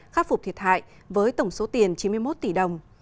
khắc phục thiệt hại với tổng số tiền chín mươi một tỷ đồng